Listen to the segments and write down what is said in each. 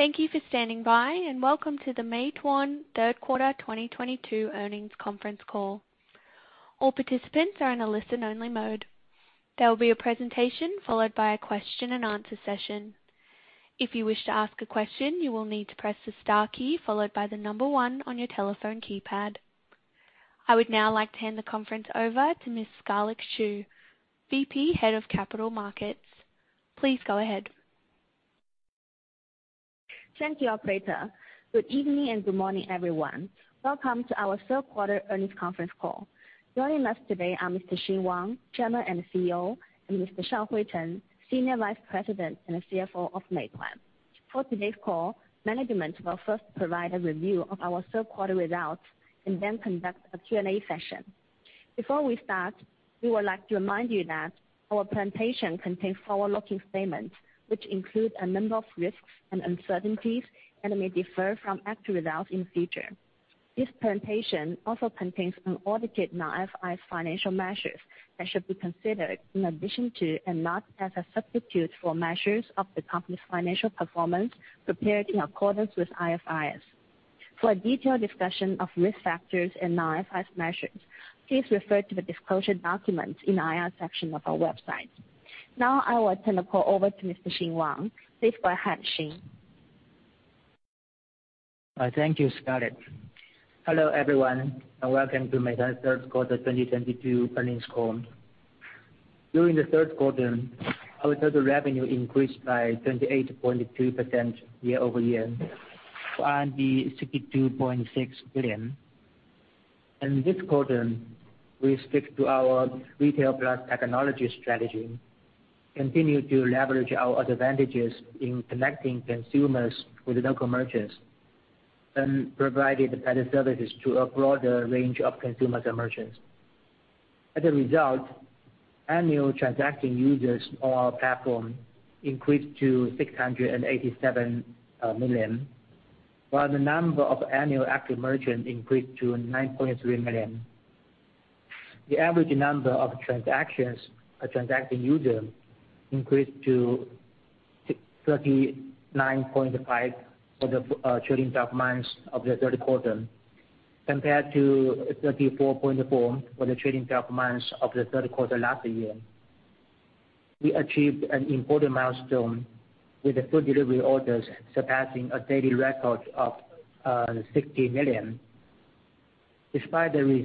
Thank you for standing by, welcome to the Meituan third quarter 2022 earnings conference call. All participants are in a listen-only mode. There will be a presentation followed by a question-and-answer session. If you wish to ask a question, you will need to press the star key followed by one on your telephone keypad. I would now like to hand the conference over to Ms. Sijia Xu, VP, Head of Capital Markets. Please go ahead. Thank you, operator. Good evening and good morning, everyone. Welcome to our third quarter earnings conference call. Joining us today are Mr. Xing Wang, Chairman and CEO, and Mr. Shaohui Chen, Senior Vice President and CFO of Meituan. For today's call, management will first provide a review of our third quarter results and then conduct a Q&A session. Before we start, we would like to remind you that our presentation contains forward-looking statements, which include a number of risks and uncertainties and may differ from actual results in the future. This presentation also contains unaudited non-IFRS financial measures that should be considered in addition to and not as a substitute for measures of the company's financial performance prepared in accordance with IFRS. For a detailed discussion of risk factors and non-IFRS measures, please refer to the disclosure documents in the IR section of our website. Now I will turn the call over to Mr. Xing Wang. Please go ahead, Xing. Thank you, Scarlett. Hello, everyone, and welcome to Meituan third quarter 2022 earnings call. During the third quarter, our total revenue increased by 38.2% year-over-year to 62.6 billion. In this quarter, we stick to our retail plus technology strategy, continue to leverage our advantages in connecting consumers with local merchants, and provided better services to a broader range of consumers and merchants. As a result, annual transacting users on our platform increased to 687 million, while the number of annual active merchants increased to 93 million. The average number of transactions per transacting user increased to 39.5 for the trading 12 months of the third quarter compared to 34.4 for the trading 12 months of the third quarter last year. We achieved an important milestone with the food delivery orders surpassing a daily record of 60 million despite the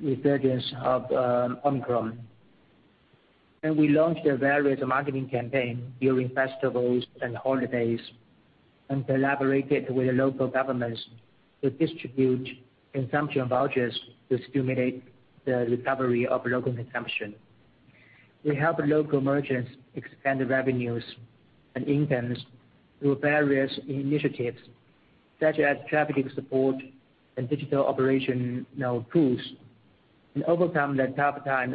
resurgence of Omicron. We launched a various marketing campaign during festivals and holidays and collaborated with the local governments to distribute consumption vouchers to stimulate the recovery of local consumption. We help local merchants expand their revenues and incomes through various initiatives such as traffic support and digital operational tools, and overcome the tough time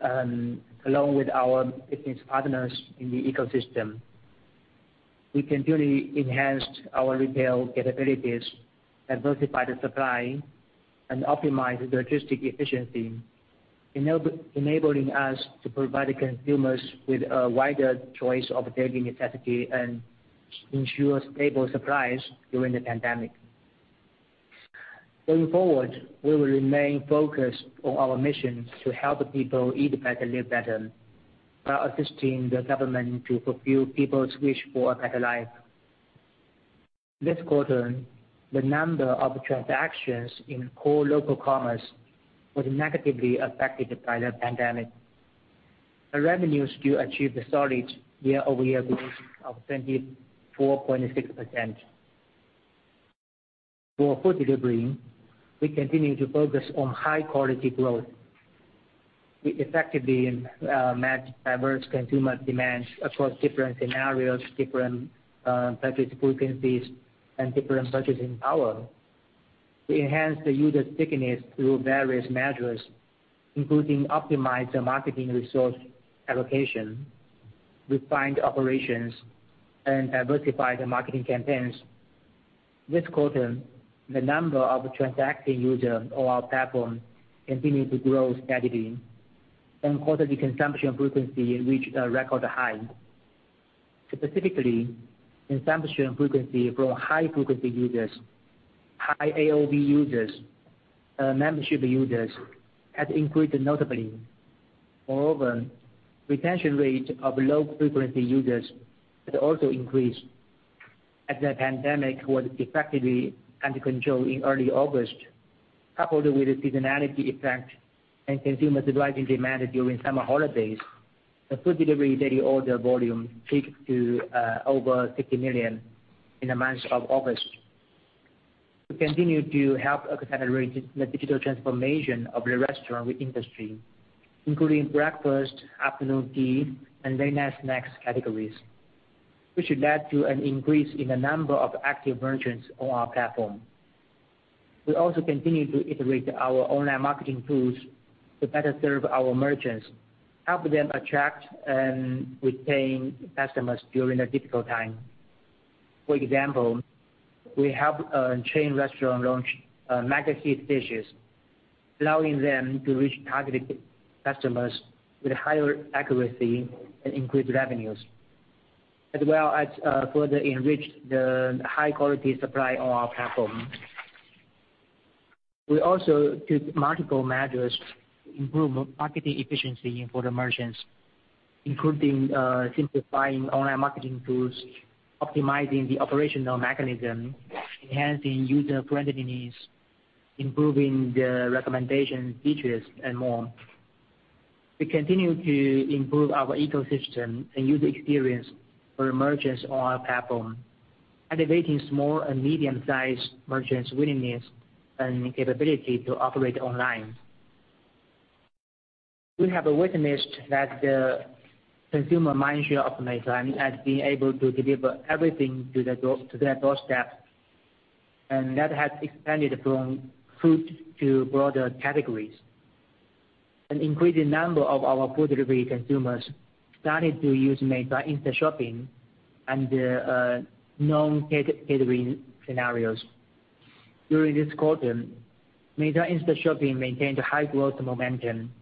along with our business partners in the ecosystem. We continually enhanced our retail capabilities, diversified the supply, and optimized logistic efficiency enabling us to provide consumers with a wider choice of daily necessity and ensure stable supplies during the pandemic. Going forward, we will remain focused on our mission to help people eat better, live better, while assisting the government to fulfill people's wish for a better life. This quarter, the number of transactions in core local commerce was negatively affected by the pandemic. Our revenues still achieved a solid year-over-year growth of 24.6%. For food delivery, we continue to focus on high-quality growth. We effectively match diverse consumer demands across different scenarios, different purchase frequencies, and different purchasing power. We enhance the user stickiness through various measures, including optimize the marketing resource allocation, refined operations, and diversify the marketing campaigns. This quarter, the number of transacting users on our platform continued to grow steadily and quarterly consumption frequency reached a record high. Specifically, consumption frequency for high-frequency users, high AOV users, membership users had increased notably. Moreover, retention rate of low-frequency users had also increased. As the pandemic was effectively under control in early August, coupled with the seasonality effect and consumers driving demand during summer holidays, the food delivery daily order volume peaked to over 60 million in the month of August. We continue to help accelerate the digital transformation of the restaurant industry, including breakfast, afternoon tea, and late-night snacks categories, which should lead to an increase in the number of active merchants on our platform. We also continue to iterate our online marketing tools to better serve our merchants, help them attract and retain customers during a difficult time. For example, we have chain restaurant launch mega feed dishes, allowing them to reach targeted customers with higher accuracy and increased revenues, as well as further enrich the high-quality supply on our platform. We also took multiple measures to improve marketing efficiency for the merchants, including simplifying online marketing tools, optimizing the operational mechanism, enhancing user-friendly needs, improving the recommendation features, and more. We continue to improve our ecosystem and user experience for the merchants on our platform, activating small and medium-sized merchants' willingness and capability to operate online. We have witnessed that the consumer mindshare of Meituan has been able to deliver everything to their doorsteps, and that has expanded from food to broader categories. An increasing number of our food delivery consumers started to use Meituan Instashopping under non-catering scenarios. During this quarter, Meituan Instashopping maintained high growth momentum,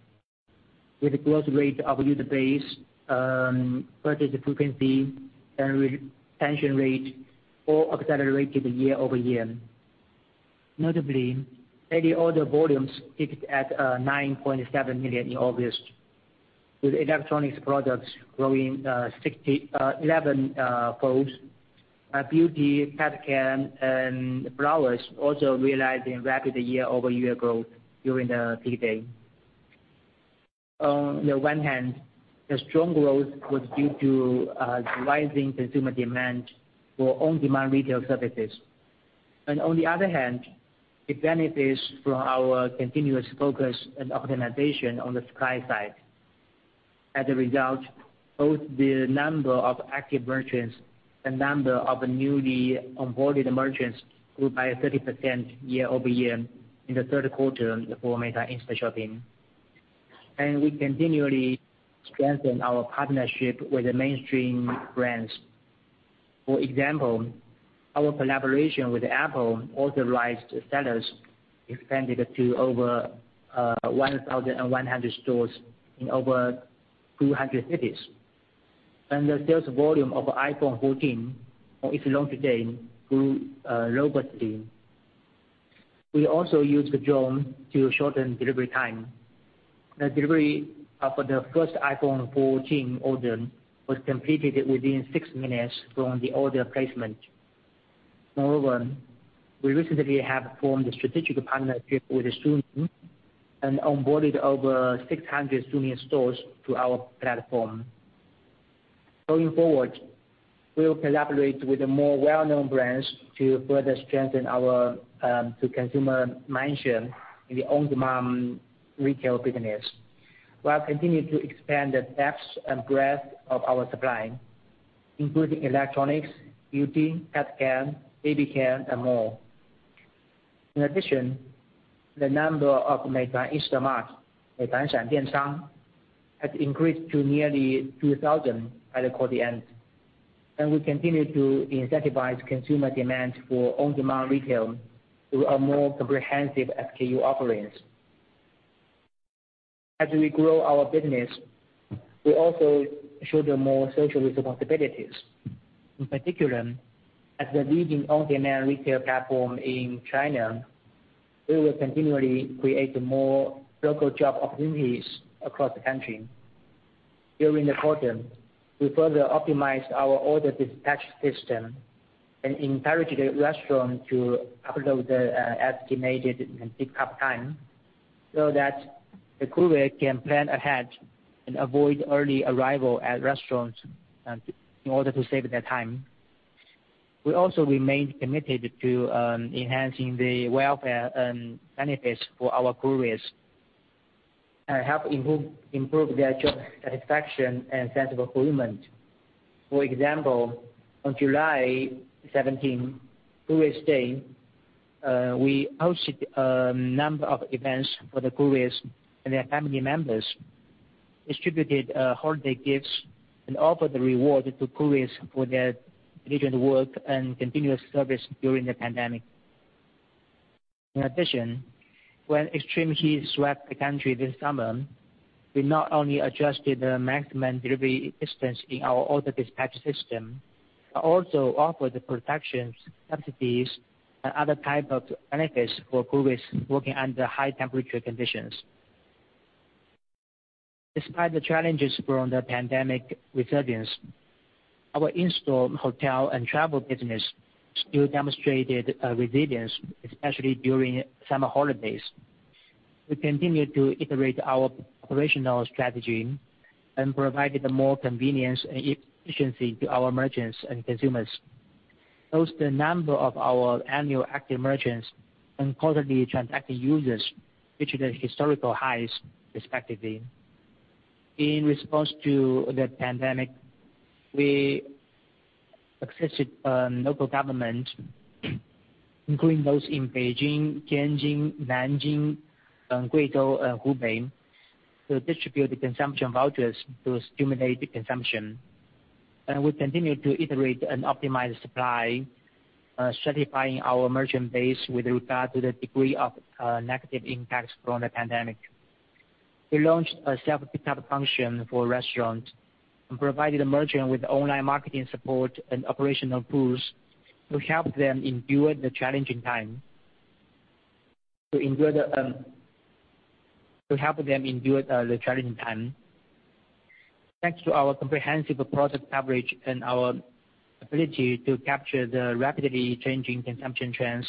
with growth rate of user base, purchase frequency, and retention rate all accelerated year-over-year. Notably, daily order volumes peaked at 9.7 million in August, with electronics products growing 11 folds. Our beauty, pet care, and flowers also realizing rapid year-over-year growth during the peak day. On the one hand, the strong growth was due to rising consumer demand for on-demand retail services. On the other hand, it benefits from our continuous focus and optimization on the supply side. As a result, both the number of active merchants and number of newly onboarded merchants grew by 30% year-over-year in the third quarter for Meituan Instashopping. We continually strengthen our partnership with the mainstream brands. For example, our collaboration with Apple authorized sellers expanded to over 1,100 stores in over 200 cities. The sales volume of iPhone 14 on its launch day grew robustly. We also used the drone to shorten delivery time. The delivery of the first iPhone 14 order was completed within six minutes from the order placement. Moreover, we recently have formed a strategic partnership with Suning and onboarded over 600 Suning stores to our platform. Going forward, we'll collaborate with the more well-known brands to further strengthen our to consumer mindshare in the on-demand retail business, while continuing to expand the depth and breadth of our supply, including electronics, beauty, pet care, baby care, and more. In addition, the number of Meituan InstaMart, Meituan Shandiancang, has increased to nearly 2,000 by the quarter end. We continue to incentivize consumer demand for on-demand retail through our more comprehensive SKU offerings. As we grow our business, we also shoulder more social responsibilities. In particular, as the leading on-demand retail platform in China, we will continually create more local job opportunities across the country. During the quarter, we further optimized our order dispatch system and encouraged the restaurant to upload the estimated pickup time so that the courier can plan ahead and avoid early arrival at restaurants in order to save their time. We also remain committed to enhancing the welfare and benefits for our couriers, help improve their job satisfaction and sense of fulfillment. For example, on July 17th, Knights Day, we hosted a number of events for the couriers and their family members, distributed holiday gifts and offered the reward to couriers for their diligent work and continuous service during the pandemic. When extreme heat swept the country this summer, we not only adjusted the maximum delivery distance in our order dispatch system, but also offered protection subsidies and other type of benefits for couriers working under high temperature conditions. Despite the challenges from the pandemic resurgence, our in-store hotel and travel business still demonstrated a resilience, especially during summer holidays. We continued to iterate our operational strategy and provided more convenience and efficiency to our merchants and consumers. Both the number of our annual active merchants and quarterly transacting users reached their historical highs respectively. In response to the pandemic, we assisted local government, including those in Beijing, Tianjin, Nanjing, Guizhou, and Hubei to distribute the consumption vouchers to stimulate the consumption. We continue to iterate and optimize supply, certifying our merchant base with regard to the degree of negative impacts from the pandemic. We launched a self-pickup function for restaurant and provided a merchant with online marketing support and operational tools to help them endure the challenging time. To help them endure the challenging time. Thanks to our comprehensive product coverage and our ability to capture the rapidly changing consumption trends,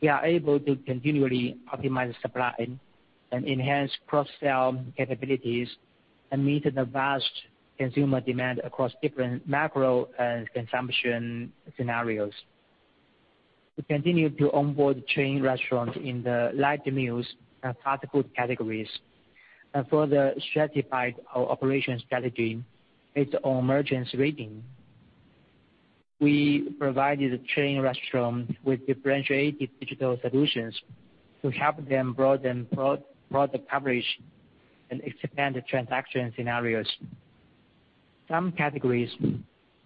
we are able to continually optimize supply and enhance cross-sell capabilities and meet the vast consumer demand across different macro and consumption scenarios. We continue to onboard chain restaurants in the light meals and fast food categories and further stratified our operation strategy based on merchants rating. We provided the chain restaurant with differentiated digital solutions to help them broaden pro-product coverage and expand the transaction scenarios. Some categories,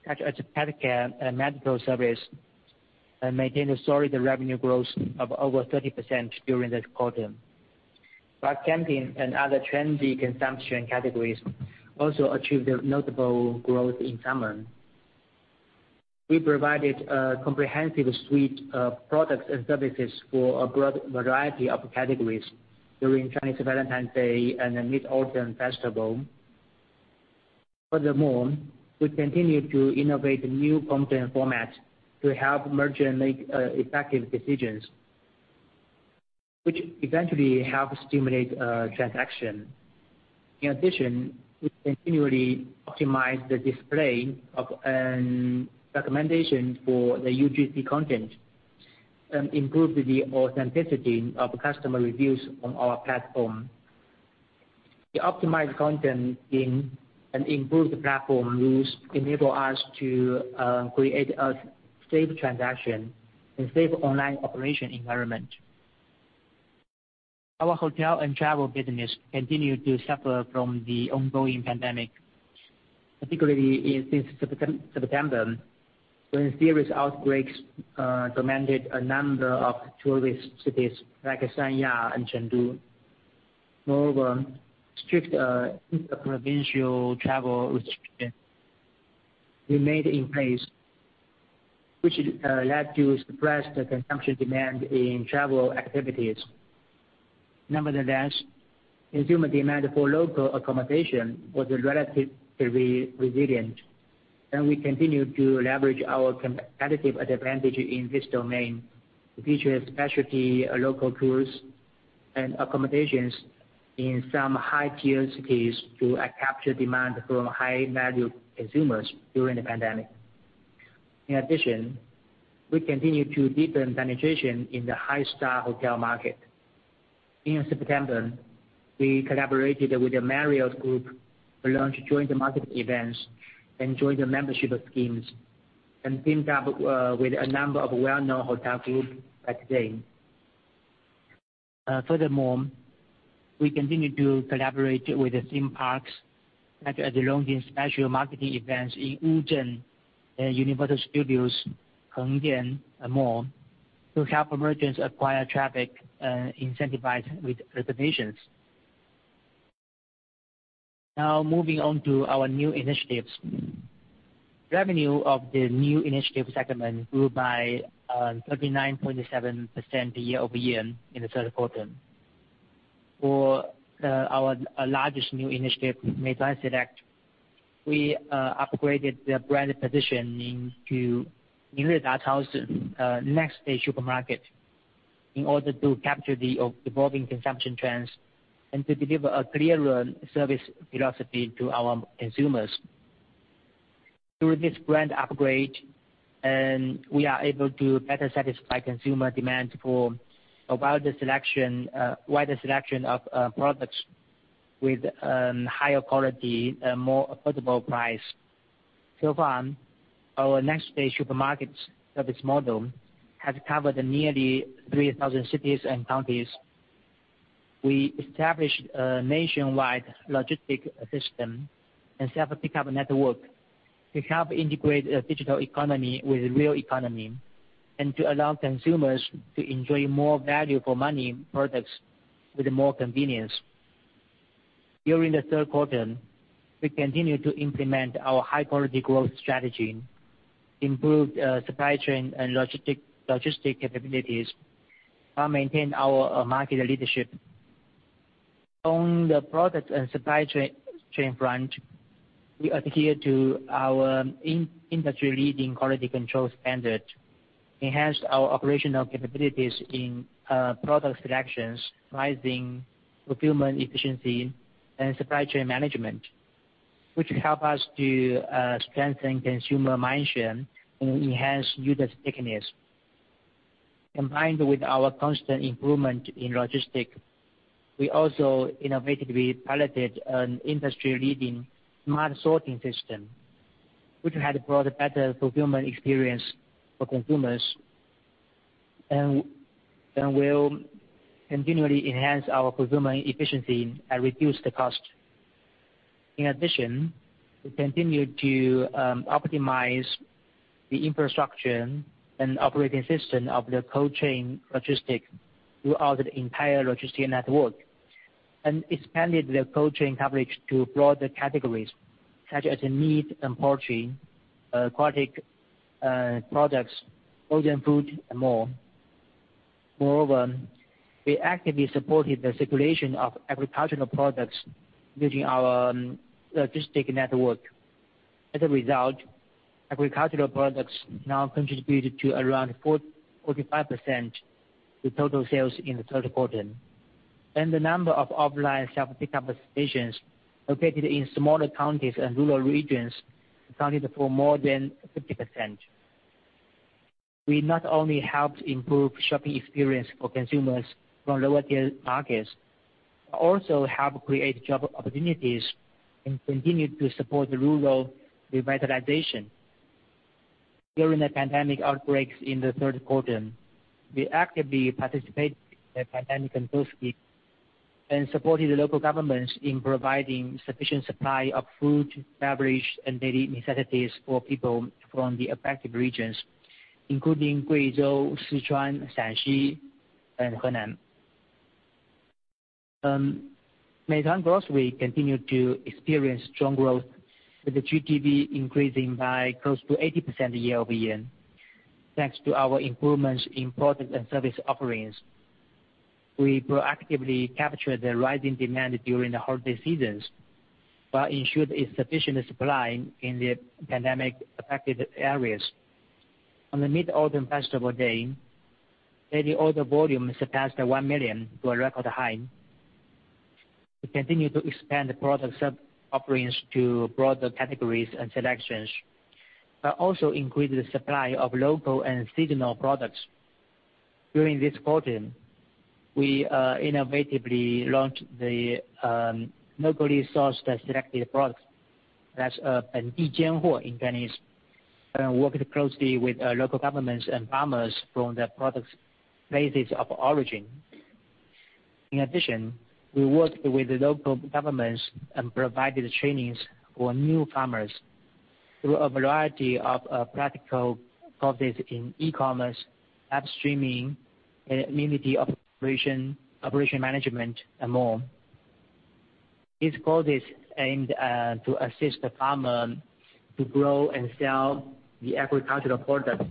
such as pet care and medical service, maintained a solid revenue growth of over 30% during this quarter. Car camping and other trendy consumption categories also achieved a notable growth in summer. We provided a comprehensive suite of products and services for a broad variety of categories during Chinese Valentine's Day and the Mid-Autumn Festival. Furthermore, we continue to innovate new content formats to help merchant make effective decisions, which eventually help stimulate transaction. In addition, we continually optimize the display and recommendation for the UGC content and improve the authenticity of customer reviews on our platform. The optimized content in an improved platform use enable us to create a safe transaction and safe online operation environment. Our hotel and travel business continued to suffer from the ongoing pandemic, particularly in September, when serious outbreaks demanded a number of tourist cities like Sanya and Chengdu. Moreover, strict inter-provincial travel restriction remained in place, which led to suppress the consumption demand in travel activities. Nevertheless, consumer demand for local accommodation was relatively resilient, and we continued to leverage our competitive advantage in this domain to feature specialty local tours and accommodations in some high tier cities to capture demand from high value consumers during the pandemic. In addition, we continue to deepen penetration in the high star hotel market. In September, we collaborated with the Marriott Group to launch joint market events and joint membership schemes, and teamed up with a number of well-known hotel groups that day. Furthermore, we continue to collaborate with the theme parks, such as launching special marketing events in Wuzhen and Universal Studios Hong Kong and more to help merchants acquire traffic, incentivized with reservations. Now moving on to our new initiatives. Revenue of the new initiative segment grew by 39.7% year-over-year in the third quarter. For our largest new initiative, Meituan Select, we upgraded the brand positioning to next day supermarket in order to capture the evolving consumption trends and to deliver a clearer service philosophy to our consumers. Through this brand upgrade, we are able to better satisfy consumer demand for a wider selection of products with higher quality, more affordable price. Far, our next day supermarkets service model has covered nearly 3,000 cities and counties. We established a nationwide logistic system and self-pickup network to help integrate a digital economy with real economy, and to allow consumers to enjoy more value for money products with more convenience. During the third quarter, we continued to implement our high quality growth strategy, improved supply chain and logistic capabilities, maintain our market leadership. On the product and supply chain front, we adhere to our industry-leading quality control standard, enhanced our operational capabilities in product selections, pricing, procurement efficiency, and supply chain management, which help us to strengthen consumer mindshare and enhance user stickiness. Combined with our constant improvement in logistic, we also innovatively piloted an industry-leading smart sorting system, which had brought a better fulfillment experience for consumers and will continually enhance our fulfillment efficiency and reduce the cost. We continued to optimize the infrastructure and operating system of the cold chain logistic throughout the entire logistic network, and expanded the cold chain coverage to broader categories such as meat and poultry, aquatic products, frozen food, and more. Moreover, we actively supported the circulation of agricultural products using our logistic network. As a result, agricultural products now contribute to around 45% the total sales in the third quarter, and the number of offline self-pickup stations located in smaller counties and rural regions accounted for more than 50%. We not only helped improve shopping experience for consumers from lower-tier markets, but also helped create job opportunities and continued to support the rural revitalization. During the pandemic outbreaks in the third quarter, we actively participated in the pandemic control scheme and supported the local governments in providing sufficient supply of food, beverage, and daily necessities for people from the affected regions, including Guizhou, Sichuan, Shaanxi, and Henan. Meituan Grocery continued to experience strong growth, with the GDV increasing by close to 80% year-over-year, thanks to our improvements in product and service offerings. We proactively captured the rising demand during the holiday seasons, while ensured a sufficient supply in the pandemic-affected areas. On the Mid-Autumn Festival day, daily order volume surpassed 1 million to a record high. We continued to expand the product sub-offerings to broader categories and selections, but also increased the supply of local and seasonal products. During this quarter, we innovatively launched the locally sourced and selected products. That's 本地鲜货 in Chinese. Working closely with local governments and farmers from the products' places of origin. In addition, we worked with the local governments and provided trainings for new farmers through a variety of practical courses in e-commerce, live streaming, community operation management, and more. These courses aimed to assist the farmer to grow and sell the agricultural product.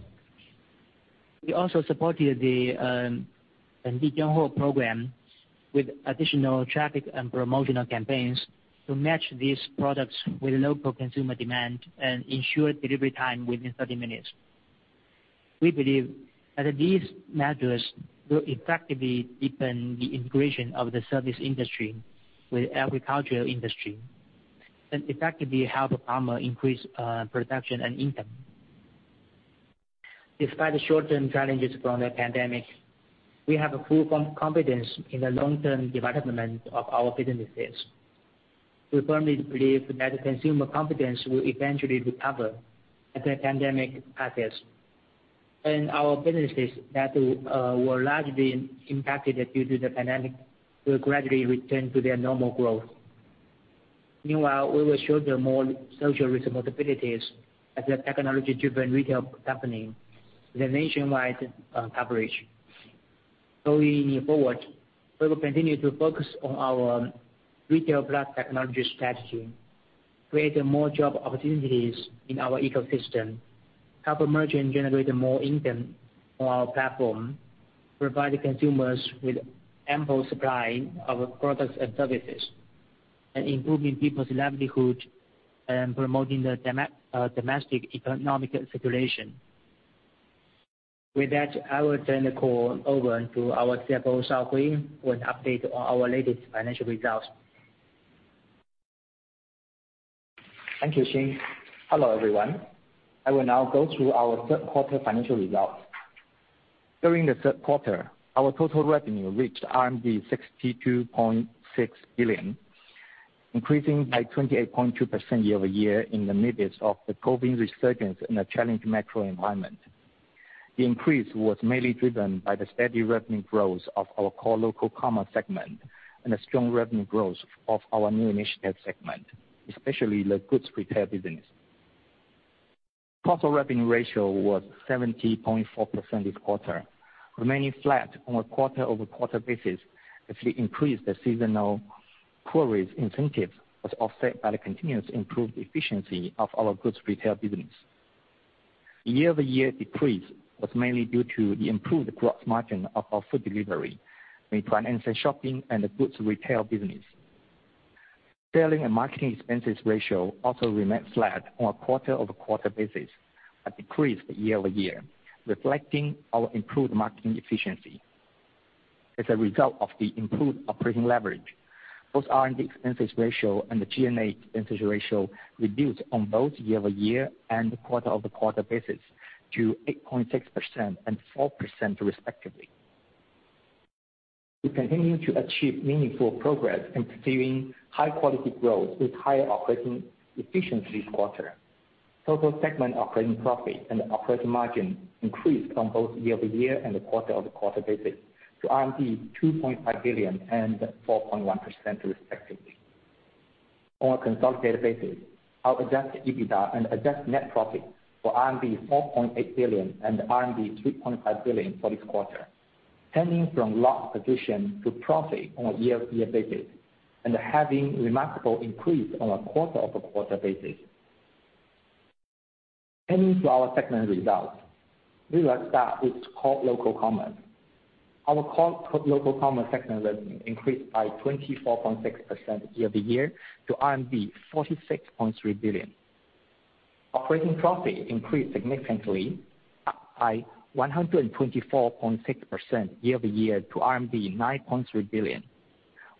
We also supported the 本地鲜货 program with additional traffic and promotional campaigns to match these products with local consumer demand and ensure delivery time within 30 minutes. We believe that these measures will effectively deepen the integration of the service industry with agricultural industry, and effectively help the farmer increase production and income. Despite the short-term challenges from the pandemic, we have a full confidence in the long-term development of our businesses. We firmly believe that consumer confidence will eventually recover as the pandemic passes. Our businesses that were largely impacted due to the pandemic will gradually return to their normal growth. Meanwhile, we will shoulder more social responsibilities as a technology-driven retail company with a nationwide coverage. Going forward, we will continue to focus on our retail plus technology strategy, creating more job opportunities in our ecosystem, help merchant generate more income on our platform, provide consumers with ample supply of products and services, and improving people's livelihood and promoting the domestic economic circulation. With that, I will turn the call over to our CFO, Shaohui, with update on our latest financial results. Thank you, Xing. Hello, everyone. I will now go through our third quarter financial results. During the third quarter, our total revenue reached 62.6 billion, increasing by 28.2% year-over-year in the midst of the COVID resurgence and a challenging macro environment. The increase was mainly driven by the steady revenue growth of our core local commerce segment and a strong revenue growth of our new initiative segment, especially the goods retail business. Cost of revenue ratio was 70.4% this quarter, remaining flat on a quarter-over-quarter basis as the increased seasonal couriers incentives was offset by the continuous improved efficiency of our goods retail business. Year-over-year decrease was mainly due to the improved gross margin of our food delivery, Meituan Instashopping and Shopping, and the goods retail business. Selling and marketing expenses ratio also remained flat on a quarter-over-quarter basis, but decreased year-over-year, reflecting our improved marketing efficiency. As a result of the improved operating leverage. Both R&D expenses ratio and the G&A expenses ratio reduced on both year-over-year and quarter-over-quarter basis to 8.6% and 4% respectively. We continue to achieve meaningful progress in pursuing high quality growth with higher operating efficiency this quarter. Total segment operating profit and operating margin increased on both year-over-year and quarter-over-quarter basis to 2.5 billion and 4.1% respectively. On a consolidated basis, our adjusted EBITDA and adjusted net profit for RMB 4.8 billion and RMB 3.5 billion for this quarter, turning from loss position to profit on a year-over-year basis and having remarkable increase on a quarter-over-quarter basis. Turning to our segment results. We like that it's called local commerce. Our core local commerce segment revenue increased by 24.6% year-over-year to RMB 46.3 billion. Operating profit increased significantly by 124.6% year-over-year to RMB 9.3 billion,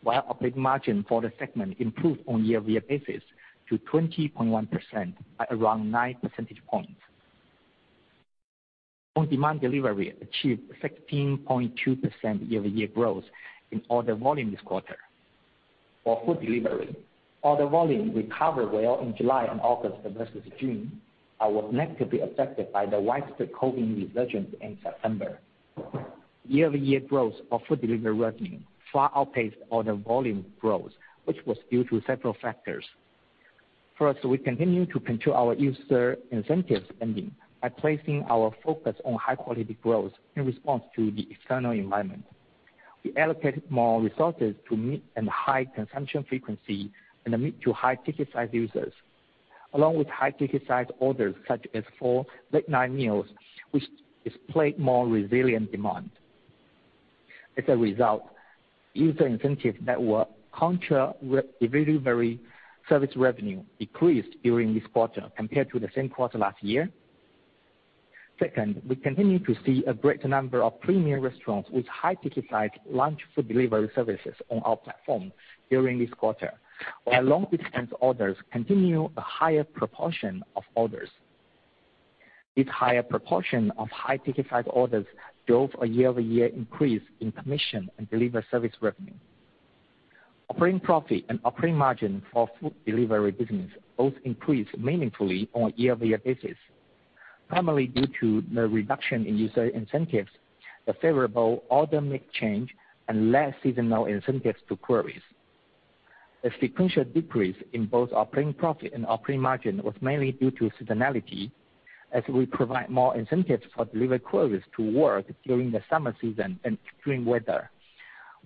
while operating margin for the segment improved on year-over-year basis to 20.1% by around 9 percentage points. On-demand delivery achieved 16.2% year-over-year growth in order volume this quarter. For food delivery, order volume recovered well in July and August versus June and was negatively affected by the widespread COVID resurgence in September. Year-over-year growth of food delivery revenue far outpaced order volume growth, which was due to several factors. First, we continue to control our user incentive spending by placing our focus on high-quality growth in response to the external environment. We allocated more resources to mid and high consumption frequency and mid to high ticket size users, along with high ticket size orders such as for late night meals, which displayed more resilient demand. User incentive network contra the delivery service revenue decreased during this quarter compared to the same quarter last year. We continue to see a great number of premium restaurants with high ticket size launch food delivery services on our platform during this quarter, while long-distance orders continue a higher proportion of orders. This higher proportion of high ticket size orders drove a year-over-year increase in commission and delivery service revenue. Operating profit and operating margin for food delivery business both increased meaningfully on a year-over-year basis, primarily due to the reduction in user incentives, the favorable order mix change and less seasonal incentives to couriers. The sequential decrease in both operating profit and operating margin was mainly due to seasonality as we provide more incentives for delivery couriers to work during the summer season and extreme weather.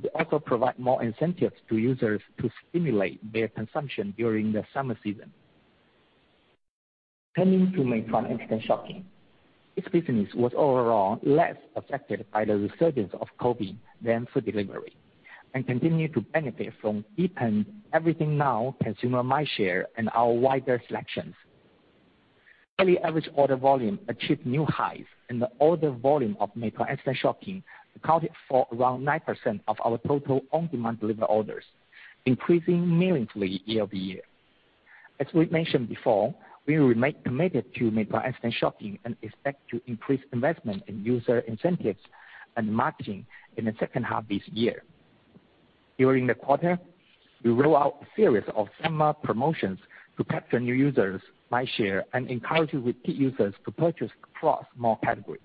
We also provide more incentives to users to stimulate their consumption during the summer season. Turning to Meituan Instashopping. This business was overall less affected by the resurgence of COVID than food delivery and continued to benefit from deepened Everything Now consumer mindshare and our wider selections. Daily average order volume achieved new highs and the order volume of Meituan Instashopping accounted for around 9% of our total on-demand delivery orders, increasing meaningfully year-over-year. As we mentioned before, we remain committed to Meituan Instashopping and expect to increase investment in user incentives and marketing in the second half this year. During the quarter, we roll out a series of summer promotions to capture new users' mindshare and encourage repeat users to purchase across more categories.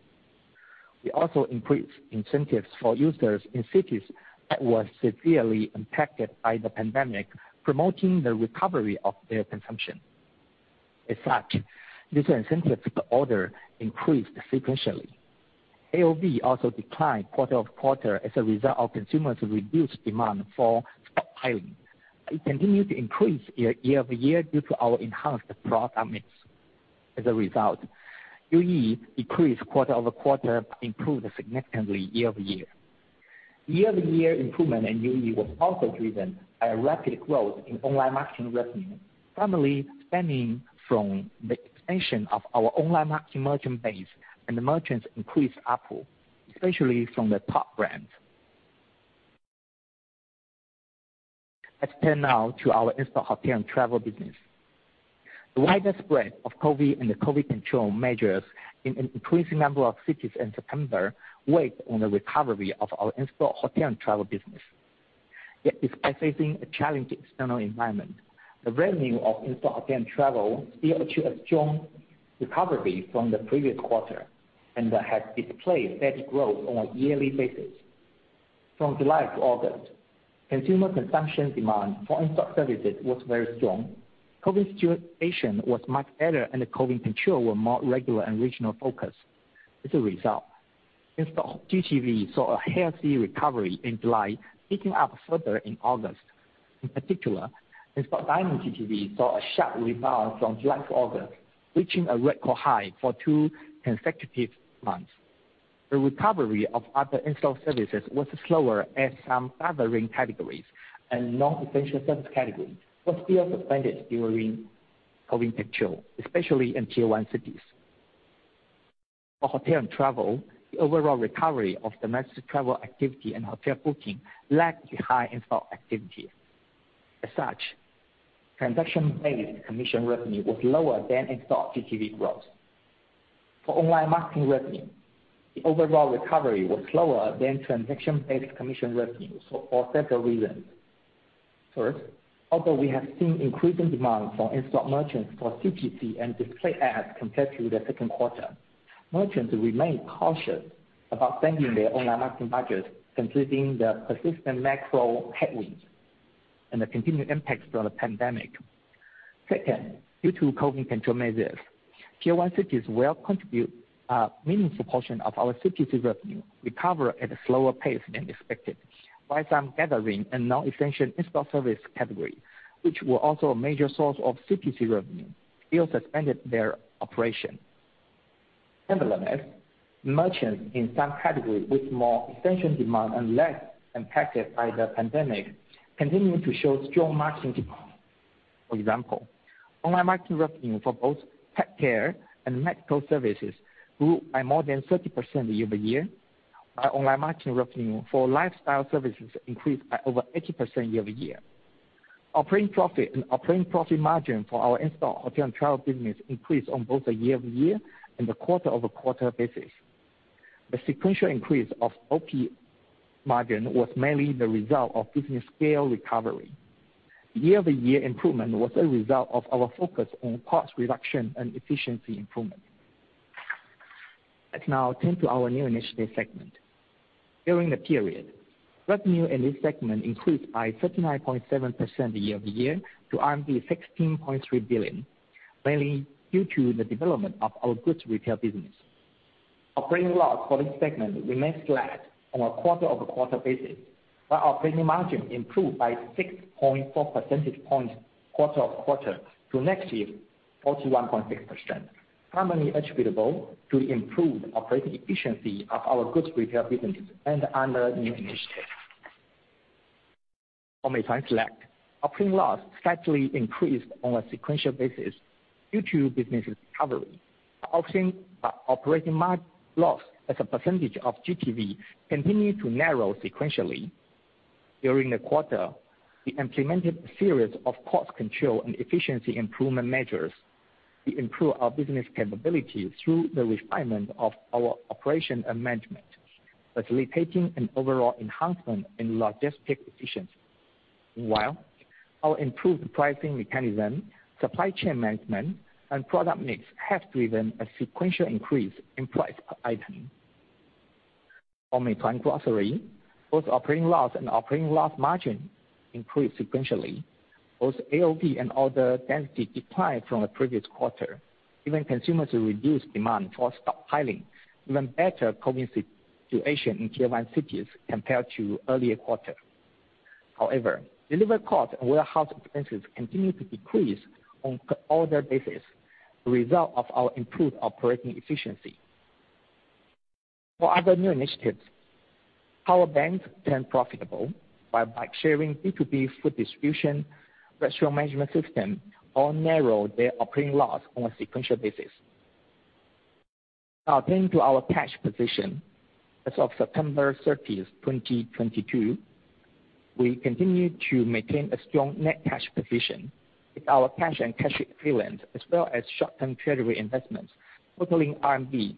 We also increased incentives for users in cities that were severely impacted by the pandemic, promoting the recovery of their consumption. As such, user incentives per order increased sequentially. AOV also declined quarter-over-quarter as a result of consumers' reduced demand for stockpiling. It continued to increase year-over-year due to our enhanced product mix. As a result, UE decreased quarter-over-quarter, improved significantly year-over-year. Year-over-year improvement in UE was also driven by a rapid growth in online marketing revenue, primarily stemming from the expansion of our online marketing merchant base and the merchants increased ARPU, especially from the top brands. Let's turn now to our in-store hotel and travel business. The widespread of COVID and the COVID control measures in an increasing number of cities in September weighed on the recovery of our in-store hotel and travel business. Despite facing a challenging external environment, the revenue of in-store hotel and travel still achieved a strong recovery from the previous quarter and has displayed steady growth on a yearly basis. From July to August, consumer consumption demand for in-store services was very strong. COVID situation was much better and the COVID control were more regular and regional focused. As a result, in-store GTV saw a healthy recovery in July, picking up further in August. In particular, in-store dining GTV saw a sharp rebound from July to August, reaching a record high for two consecutive months. The recovery of other in-store services was slower as some flattering categories and non-essential service categories was still suspended during COVID control, especially in Tier 1 cities. For hotel and travel, the overall recovery of domestic travel activity and hotel booking lacked the high in-store activity. As such, transaction-based commission revenue was lower than in-store GTV growth. For online marketing revenue, the overall recovery was slower than transaction-based commission revenue for several reasons. First, although we have seen increasing demand for in-store merchants for CPC and display ads compared to the second quarter, merchants remain cautious about spending their online marketing budgets, including the persistent macro headwinds and the continued impacts from the pandemic. Second, due to COVID control measures, Tier 1 cities will contribute a meaningful portion of our CPC revenue recover at a slower pace than expected. While some gathering and non-essential in-store service categories, which were also a major source of CPC revenue, still suspended their operation. Nonetheless, merchants in some categories with more essential demand and less impacted by the pandemic continue to show strong marketing. For example, online marketing revenue for both pet care and medical services grew by more than 30% year-over-year. Our online marketing revenue for lifestyle services increased by over 80% year-over-year. Operating profit and operating profit margin for our in-store hotel and travel business increased on both a year-over-year and a quarter-over-quarter basis. The sequential increase of OP margin was mainly the result of business scale recovery. Year-over-year improvement was a result of our focus on cost reduction and efficiency improvement. Let's now turn to our new initiatives segment. During the period, revenue in this segment increased by 39.7% year-over-year to RMB 16.3 billion, mainly due to the development of our goods retail business. Operating loss for this segment remained flat on a quarter-over-quarter basis, while operating margin improved by 6.4 percentage points quarter-over-quarter to negative 41.6%, primarily attributable to improved operating efficiency of our goods retail business and other new initiatives. On Meituan Select, operating loss slightly increased on a sequential basis due to business recovery. Our operating loss as a percentage of GTV continued to narrow sequentially. During the quarter, we implemented a series of cost control and efficiency improvement measures to improve our business capability through the refinement of our operation and management, facilitating an overall enhancement in logistic efficiency. While our improved pricing mechanism, supply chain management, and product mix have driven a sequential increase in price per item. On Meituan Grocery, both operating loss and operating loss margin increased sequentially. Both AOV and order density declined from the previous quarter, giving consumers a reduced demand for stockpiling, given better COVID situation in Tier 1 cities compared to earlier quarter. However, delivery costs and warehouse expenses continued to decrease on order basis, the result of our improved operating efficiency. For other new initiatives, Power Bank turned profitable by bike-sharing B2B food distribution, restaurant management system, all narrowed their operating loss on a sequential basis. Now turning to our cash position. As of September 30, 2022, we continue to maintain a strong net cash position with our cash and cash equivalents, as well as short-term treasury investments totaling RMB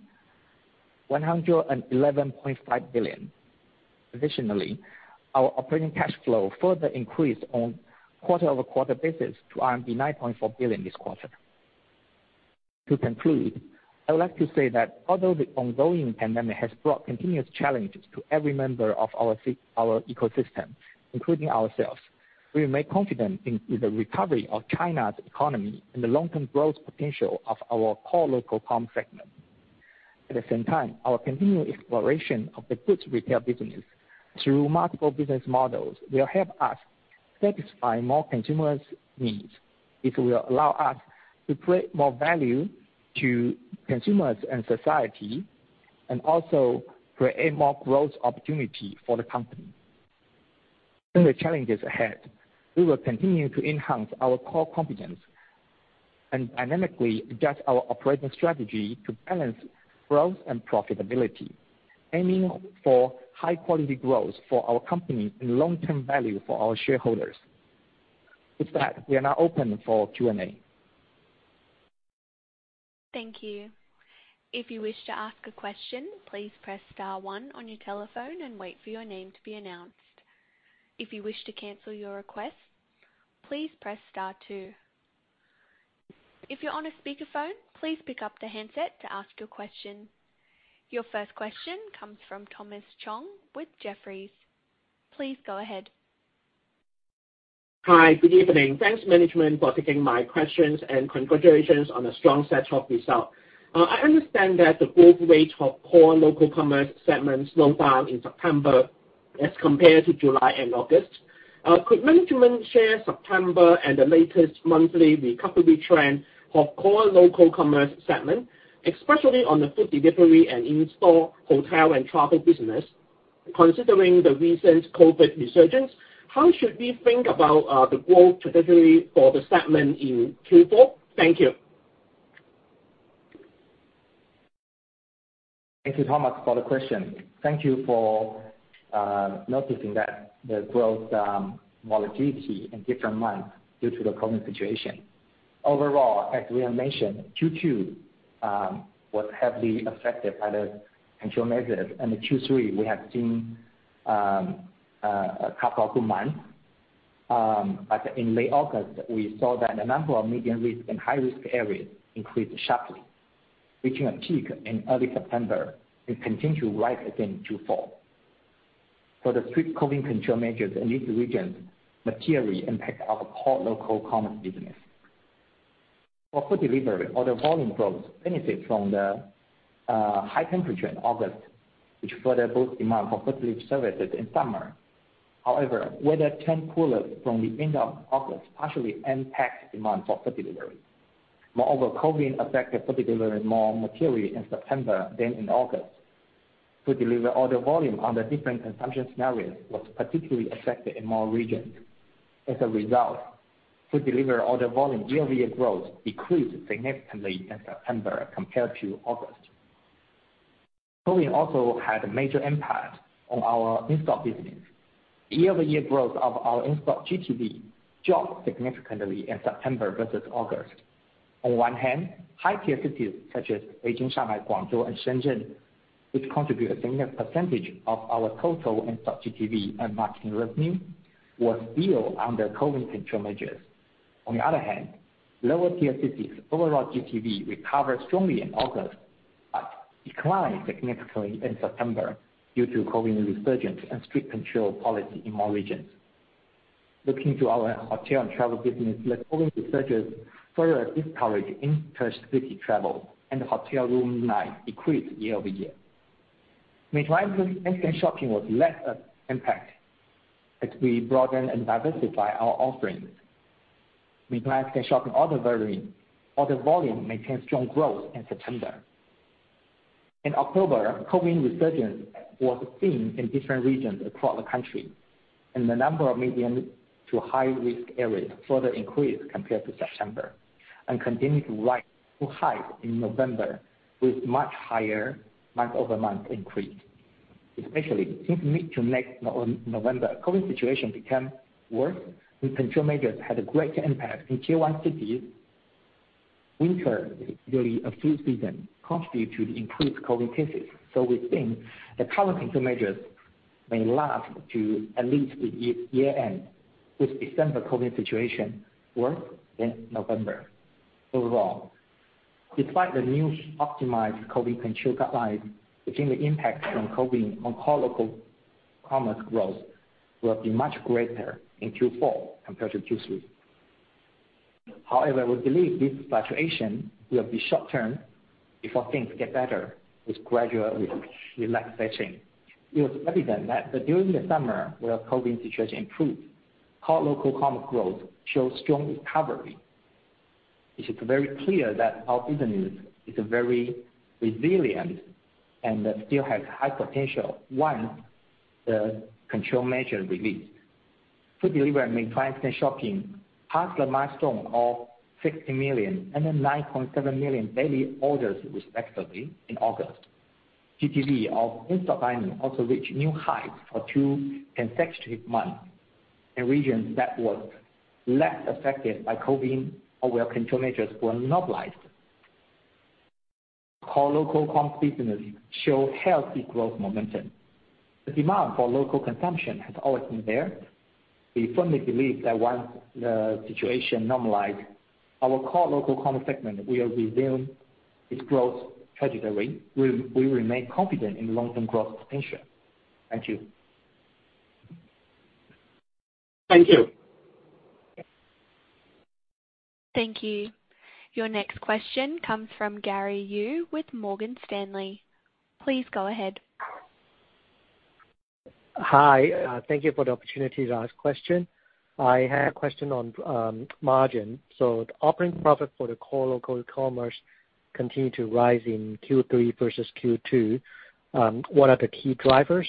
111.5 billion. Additionally, our operating cash flow further increased on quarter-over-quarter basis to RMB 9.4 billion this quarter. To conclude, I would like to say that although the ongoing pandemic has brought continuous challenges to every member of our ecosystem, including ourselves, we remain confident in the recovery of China's economy and the long-term growth potential of our core local comm segment. At the same time, our continued exploration of the goods retail business through multiple business models will help us satisfy more consumers' needs. It will allow us to create more value to consumers and society, and also create more growth opportunity for the company. Given the challenges ahead, we will continue to enhance our core competence and dynamically adjust our operating strategy to balance growth and profitability, aiming for high-quality growth for our company and long-term value for our shareholders. With that, we are now open for Q&A. Thank you. If you wish to ask a question, please press star one on your telephone and wait for your name to be announced. If you wish to cancel your request, please press star two. If you're on a speakerphone, please pick up the handset to ask your question. Your first question comes from Thomas Chong with Jefferies. Please go ahead. Hi. Good evening. Thanks, management, for taking my questions and congratulations on a strong set of results. I understand that the growth rate of core local commerce segment slowed down in September as compared to July and August. Could management share September and the latest monthly recovery trend of core local commerce segment, especially on the food delivery and in-store hotel and travel business? Considering the recent COVID resurgence, how should we think about the growth trajectory for the segment in Q4? Thank you. Thank you, Thomas for the question. Thank you for noticing that the growth volatility in different months due to the COVID situation. Overall, as we have mentioned, Q2 was heavily affected by the control measures. The Q3, we have seen a couple of good months. In late August, we saw that the number of medium risk and high-risk areas increased sharply, reaching a peak in early September and continued right again into fall. For the strict COVID control measures in these regions materially impact our core local commerce business. For food delivery, order volume growth benefit from the high temperature in August, which further boost demand for food delivery services in summer. However, weather turned cooler from the end of August, partially impact demand for food delivery. Moreover, COVID affected food delivery more materially in September than in August. Food delivery order volume under different consumption scenarios was particularly affected in more regions. As a result, food delivery order volume year-over-year growth decreased significantly in September compared to August. COVID also had a major impact on our instant business. Year-over-year growth of our instant GTV dropped significantly in September versus August. High-tier cities such as Beijing, Shanghai, Guangzhou, and Shenzhen, which contribute a significant percentage of our total instant GTV and marketing revenue, was still under COVID control measures. Lower tier cities overall GTV recovered strongly in August, but declined significantly in September due to COVID resurgence and strict control policy in more regions. Our hotel and travel business, like COVID researchers further discourage inter-city travel and hotel room night decreased year-over-year. Meituan Instashopping was less impact as we broaden and diversify our offerings. Meituan Instashopping order volume maintained strong growth in September. October, COVID resurgence was seen in different regions across the country, and the number of medium to high-risk areas further increased compared to September and continued to rise to high in November with much higher month-over-month increase. Especially since mid to late November, COVID situation became worse. New control measures had a greater impact in Tier 1 cities. Winter, usually a flu season, contribute to the increased COVID cases. We think the current control measures may last to at least the year end, with December COVID situation worse than November. Despite the new optimized COVID control guidelines, we think the impact from COVID on core local commerce growth will be much greater in Q4 compared to Q3. We believe this fluctuation will be short-term before things get better with gradual re-relaxation. It was evident that during the summer when our COVID situation improved, core local commerce growth showed strong recovery. It is very clear that our business is very resilient and still has high potential once the control measure released. Food delivery and Meituan Instashopping passed the milestone of 60 million and 9.7 million daily orders respectively in August. GTV of instant dining also reached new heights for two consecutive months in regions that were less affected by COVID or where control measures were not realized. Our local commerce business show healthy growth momentum. The demand for local consumption has always been there. We firmly believe that once the situation normalize, our core local commerce segment will resume its growth trajectory. We remain confident in the long-term growth potential. Thank you. Thank you. Thank you. Your next question comes from Gary Yu with Morgan Stanley. Please go ahead. Hi, thank you for the opportunity to ask question. I had a question on margin. The operating profit for the core local commerce continued to rise in Q3 versus Q2. What are the key drivers,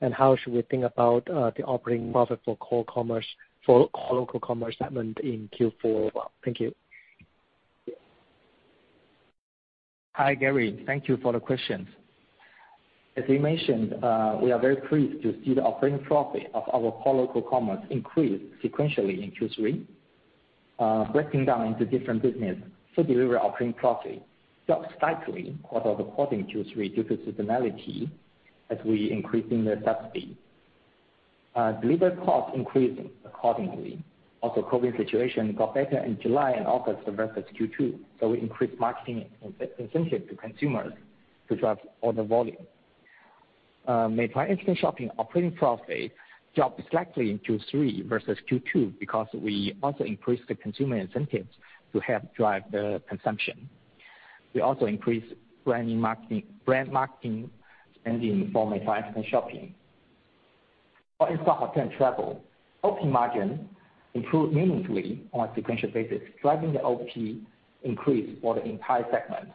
and how should we think about the operating profit for local commerce segment in Q4? Thank you. Hi, Gary. Thank you for the question. As you mentioned, we are very pleased to see the operating profit of our core local commerce increase sequentially in Q3. Breaking down into different business, food delivery operating profit dropped slightly quarter-over-quarter in Q3 due to seasonality as we increasing the subsidy. Delivery cost increased accordingly. COVID situation got better in July and August versus Q2, we increased marketing incentive to consumers to drive order volume. Meituan Instant Shopping operating profit dropped slightly in Q3 versus Q2 because we also increased the consumer incentives to help drive the consumption. We also increased brand marketing spending for Meituan Instant Shopping. For in-store hotel and travel, OP margin improved meaningfully on a sequential basis, driving the OP increase for the entire segment.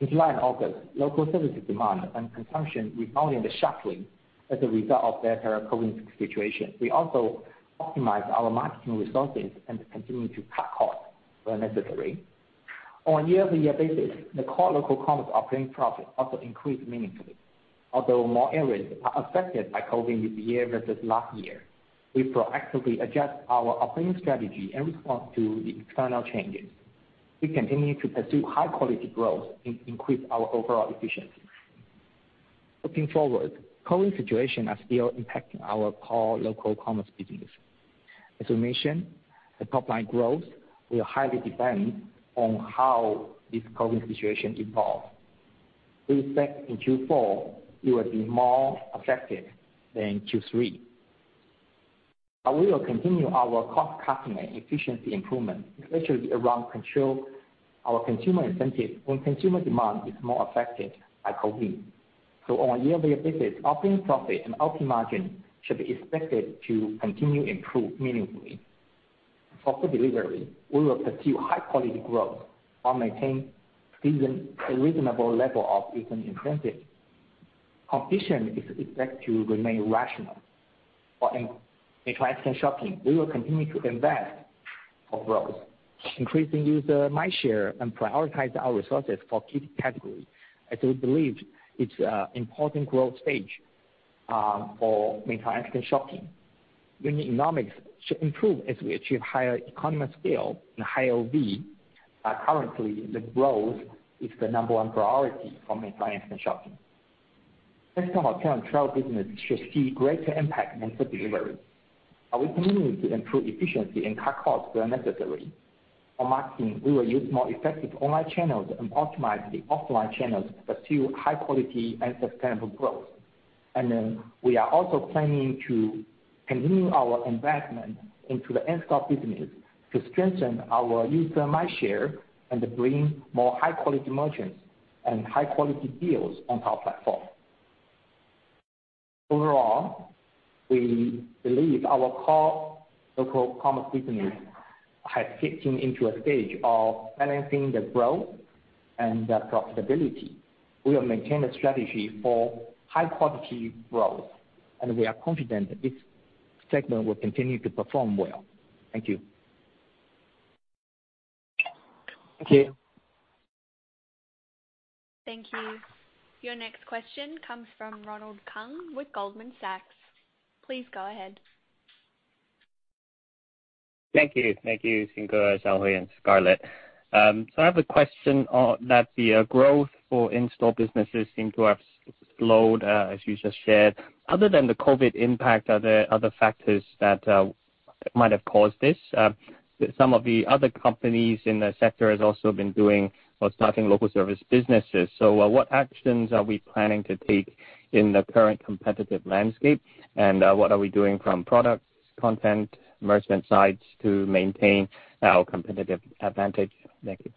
In July and August, local services demand and consumption rebounded sharply as a result of better COVID situation. We also optimized our marketing resources and continued to cut costs where necessary. On a year-over-year basis, the core local commerce operating profit also increased meaningfully. More areas are affected by COVID this year versus last year, we proactively adjust our operating strategy in response to the external changes. We continue to pursue high-quality growth and increase our overall efficiency. Looking forward, COVID situation are still impacting our core local commerce business. As we mentioned, the top line growth will highly depend on how this COVID situation evolves. We expect in Q4 it will be more effective than Q3. We will continue our cost-cutting and efficiency improvement, especially around control our consumer incentive when consumer demand is more affected by COVID. On a year-over-year basis, operating profit and OP margin should be expected to continue improve meaningfully. For food delivery, we will pursue high-quality growth while maintain a reasonable level of season incentive. Competition is expected to remain rational. For in-store shopping, we will continue to invest for growth, increasing user mind share and prioritize our resources for key categories as we believe it's a important growth stage for Meituan Instashopping. Unit economics should improve as we achieve higher economy scale and higher AOV. Currently the growth is the number one priority for Meituan Instashopping. Next time hotel and travel business should see greater impact than food delivery. Are we continuing to improve efficiency and cut costs where necessary? On marketing, we will use more effective online channels and optimize the offline channels to pursue high quality and sustainable growth. We are also planning to continue our investment into the install business to strengthen our user mind share and bring more high-quality merchants and high-quality deals on our platform. Overall, we believe our core local commerce business has kicked in into a stage of balancing the growth and the profitability. We will maintain a strategy for high-quality growth, and we are confident that this segment will continue to perform well. Thank you. Thank you. Thank you. Your next question comes from Ronald Keung with Goldman Sachs. Please go ahead. Thank you. Thank you, Xing Ge, Shaohui, and Scarlett. I have a question on that the growth for in-store businesses seem to have slowed as you just shared. Other than the COVID impact, are there other factors that might have caused this? Some of the other companies in the sector has also been doing or starting local service businesses. What actions are we planning to take in the current competitive landscape, and what are we doing from products, content, merchant sides to maintain our competitive advantage? Thank you.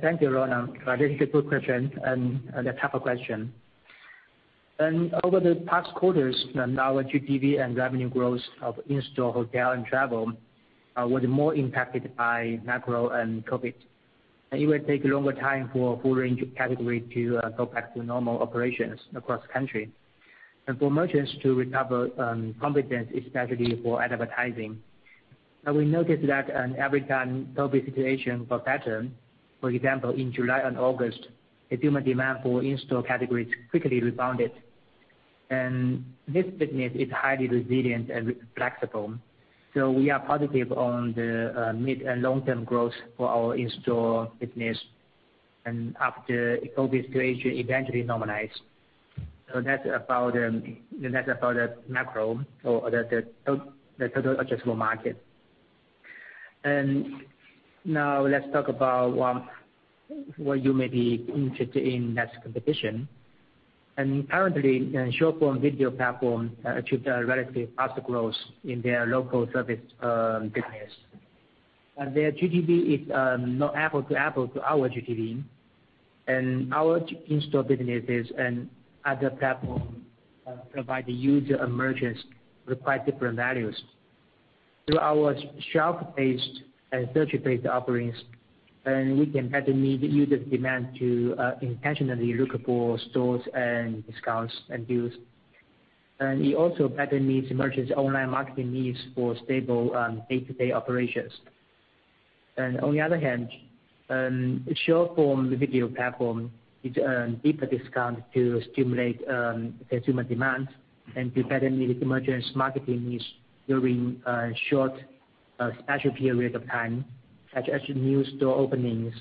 Thank you, Ronald. This is a good question and a tougher question. Over the past quarters, our GDP and revenue growth of in-store hotel and travel was more impacted by macro and COVID. It will take a longer time for a full range of category to go back to normal operations across country. For merchants to recover confidence, especially for advertising. We noticed that every time COVID situation got better, for example, in July and August, the human demand for in-store categories quickly rebounded. This business is highly resilient and flexible. We are positive on the mid and long-term growth for our in-store business and after COVID situation eventually normalized. That's about that's about the macro or the total addressable market. Now let's talk about what you may be interested in, that's competition. Currently, in short form video platform achieved a relatively faster growth in their local service business. Their GTV is not apple to apple to our GTV. Our in-store businesses and other platform provide the user and merchants with quite different values. Through our shelf-based and search-based offerings, and we can better meet user demand to intentionally look for stores and discounts and deals. It also better meets merchants' online marketing needs for stable day-to-day operations. On the other hand, short form video platform is a deeper discount to stimulate consumer demand and to better meet the merchants' marketing needs during a short special period of time, such as new store openings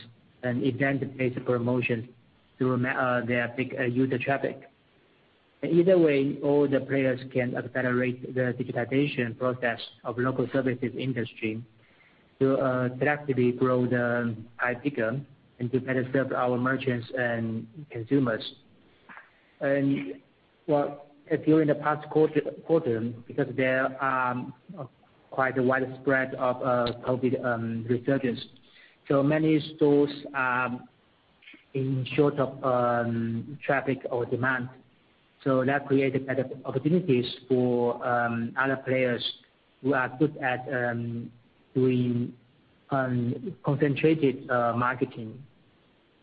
and event-based promotions to their big user traffic. Either way, all the players can accelerate the digitization process of local services industry to collectively grow the pie bigger and to better serve our merchants and consumers. If you're in the past quarter, because there are quite a wide spread of COVID resurgence, so many stores are in short of traffic or demand. That created better opportunities for other players who are good at doing concentrated marketing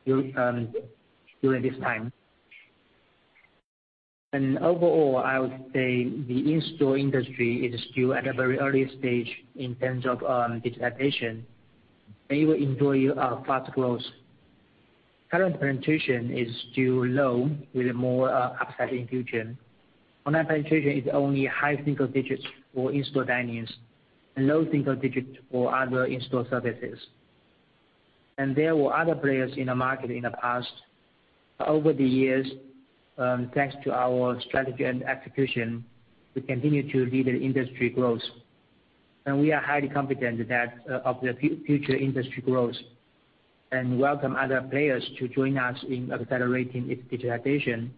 during this time. Overall, I would say the in-store industry is still at a very early stage in terms of digitization. It will enjoy a fast growth. Current penetration is still low, with more upside in future. Online penetration is only high single digits for in-store dinings and low single digits for other in-store services. There were other players in the market in the past. Over the years, thanks to our strategy and execution, we continue to lead the industry growth. We are highly confident that of the future industry growth, and welcome other players to join us in accelerating its digitization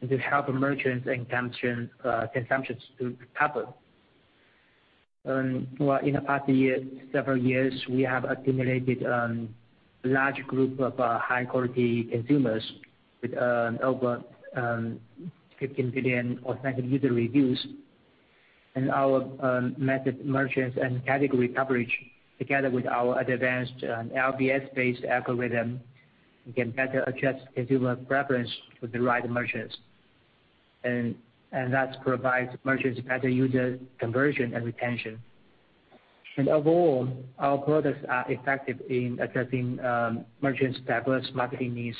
and to help merchants and consumptions to recover. Well, in the past several years, we have accumulated large group of high quality consumers with over 15 billion authentic user reviews. Our method merchants and category coverage, together with our advanced LBS-based algorithm, can better adjust consumer preference to the right merchants. That provides merchants better user conversion and retention. Overall, our products are effective in addressing merchants' diverse marketing needs,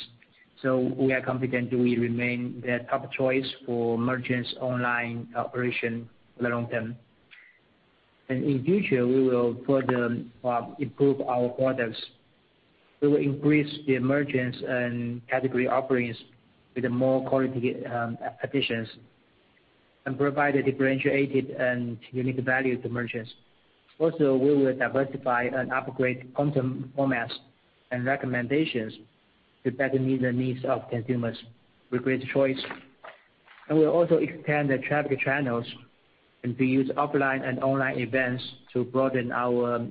so we are confident we remain their top choice for merchants' online operation in the long term. In future, we will further improve our products. We will increase the merchants and category offerings with more quality additions and provide a differentiated and unique value to merchants. Also, we will diversify and upgrade content formats and recommendations to better meet the needs of consumers with great choice. We'll also expand the traffic channels and to use offline and online events to broaden our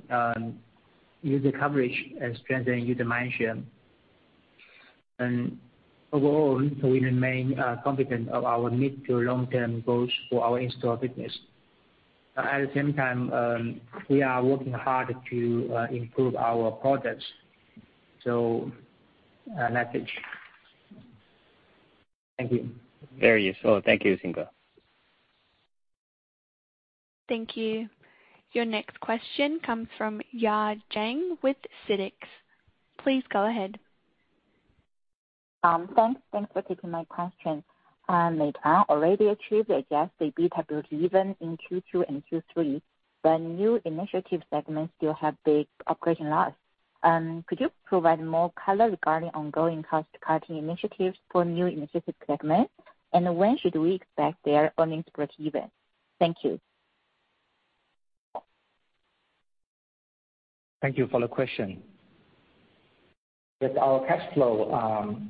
user coverage and strengthen user mindshare. Overall, we remain confident of our mid to long-term goals for our in-store business. At the same time, we are working hard to improve our products. That's it. Thank you. Very useful. Thank you, Xing Ge. Thank you. Your next question comes from Ya Jiang with CITIC. Please go ahead. Thanks. Thanks for taking my question. Meituan already achieved adjusted EBITDA breakeven in Q2 and Q3, but new initiative segments still have big operating loss. Could you provide more color regarding ongoing cost-cutting initiatives for new initiative segments? When should we expect their earnings breakeven? Thank you. Thank you for the question. With our cash flow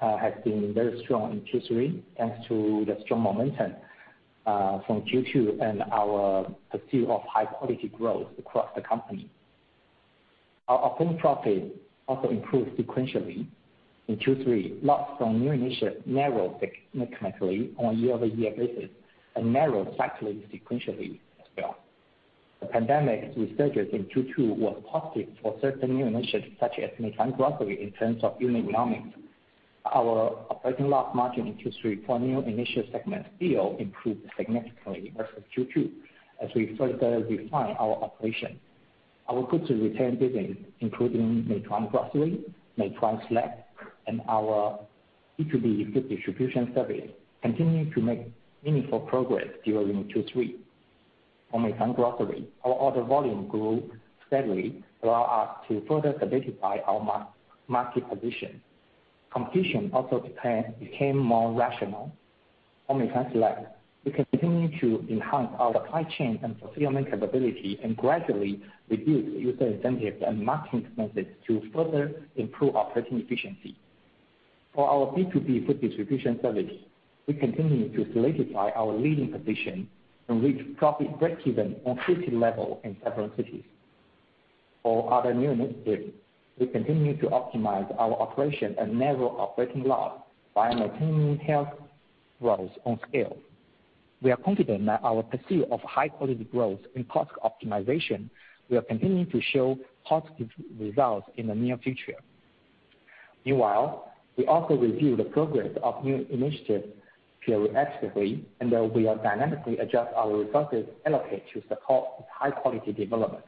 has been very strong in Q3, thanks to the strong momentum from Q2 and our pursuit of high-quality growth across the company. Our operating profit also improved sequentially in Q3. Loss from new initiatives narrowed significantly on a year-over-year basis and narrowed slightly sequentially as well. The pandemic resurgence in Q2 was positive for certain new initiatives such as Meituan Grocery in terms of unit economics. Our operating loss margin in Q3 for new initiative segment still improved significantly versus Q2 as we further refined our operations. Our Goods to retail business, including Meituan Grocery, Meituan Select, and our B2B food distribution service, continued to make meaningful progress during Q3. For Meituan Grocery, our order volume grew steadily, allow us to further solidify our market position. Competition also became more rational. On Meituan Select, we continue to enhance our supply chain and fulfillment capability and gradually reduce user incentives and marketing expenses to further improve operating efficiency. For our B2B food distribution service, we continue to solidify our leading position and reach profit breakeven on city level in several cities. For other new initiatives, we continue to optimize our operation and narrow operating loss by maintaining healthy growth on scale. We are confident that our pursuit of high-quality growth and cost optimization will continue to show positive results in the near future. Meanwhile, we also review the progress of new initiatives proactively, and we are dynamically adjust our resources allocate to support high-quality development.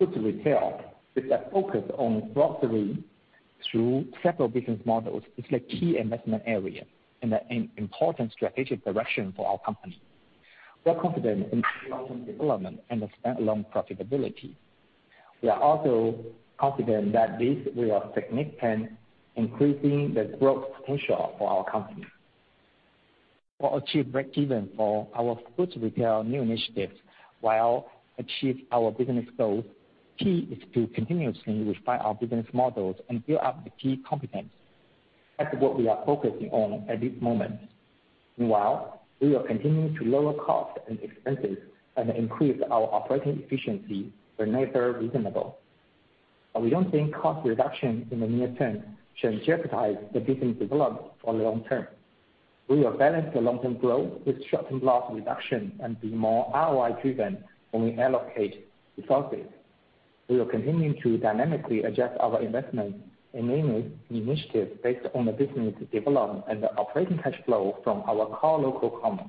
Goods to retail with a focus on grocery through several business models is a key investment area and an important strategic direction for our company. We are confident in the development and the standalone profitability. We are also confident that this will significant increasing the growth potential for our company. We'll achieve breakeven for our food retail new initiatives while achieve our business goals. Key is to continuously refine our business models and build up the key competence. That's what we are focusing on at this moment. Meanwhile, we are continuing to lower costs and expenses and increase our operating efficiency whenever reasonable. We don't think cost reduction in the near term should jeopardize the business development for the long term. We will balance the long-term growth with short-term loss reduction and be more ROI driven when we allocate resources. We are continuing to dynamically adjust our investment in any initiative based on the business development and the operating cash flow from our core local commerce.